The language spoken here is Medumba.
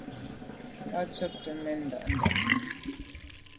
Tàb tshobt’é mèn nda’nda’.